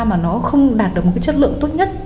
mà nó không đạt được một cái chất lượng tốt nhất